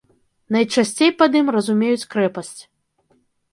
Найчасцей пад ім разумеюць крэпасць.